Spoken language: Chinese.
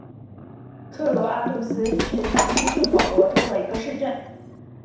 科罗阿杜斯是巴西圣保罗州的一个市镇。